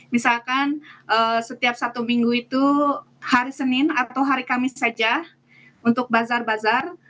misalkan setiap satu minggu itu hari senin atau hari kamis saja untuk bazar bazar